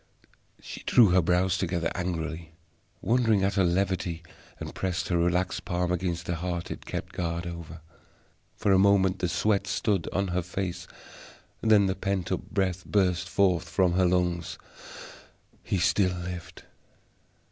She drew her brows together angrily, wondering at her levity, and pressed her relaxed palm against the heart it kept guard over. For a moment the sweat stood on her face; then the pent up breath burst from her lungs. He still lived.